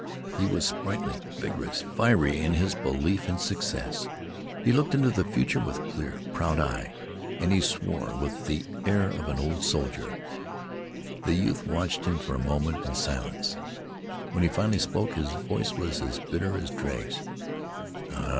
He was sprightly, vigorous, fiery in his belief in success. He looked into the future with clear, proud eye, and he swore with the air of an old soldier. The youth watched him for a moment in silence. When he finally spoke his voice was as bitter as dregs.